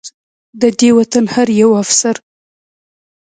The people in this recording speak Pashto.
د دې وطن هر يو افسر